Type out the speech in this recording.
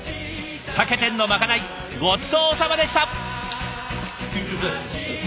酒店のまかないごちそうさまでした。